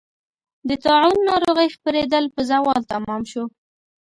د طاعون ناروغۍ خپرېدل په زوال تمام شو.